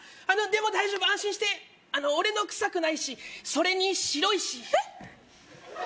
あのでも大丈夫安心して俺の臭くないしそれに白いしえっ！